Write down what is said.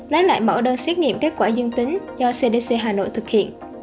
lấy lại mẫu đơn xét nghiệm kết quả dương tính do cdc hà nội thực hiện